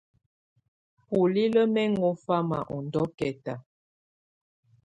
Bulilǝ́ mɛ ŋɔ fama ɔ ndɔ́kɛta.